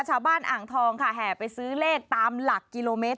อ่างทองค่ะแห่ไปซื้อเลขตามหลักกิโลเมตร